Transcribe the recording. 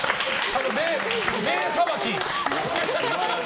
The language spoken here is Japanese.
名さばき！